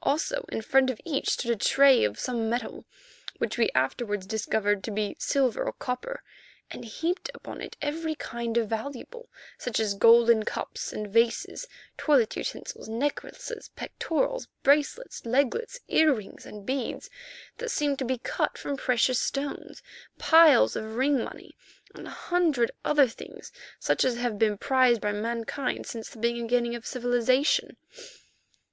Also, in front of each stood a tray of some metal, which we afterwards discovered to be silver or copper, and heaped upon it every kind of valuable, such as golden cups and vases, toilet utensils, necklaces, pectorals, bracelets, leglets, earrings and beads that seemed to be cut from precious stones, piles of ring money, and a hundred other things such as have been prized by mankind since the beginning of civilization.